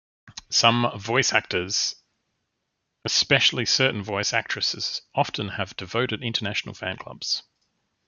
Some voice actors-especially certain voice actresses-often have devoted international fan-clubs.